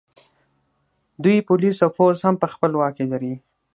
دوی پولیس او پوځ هم په خپل واک کې لري